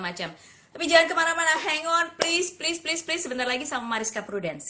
macam tapi jangan kemana mana hangon please please please please sebentar lagi sama mariska prudence